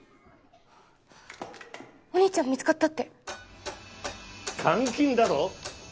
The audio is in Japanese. お兄ちゃん見つかったって監禁だと？